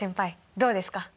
どうですか？